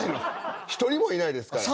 １人もいないですから。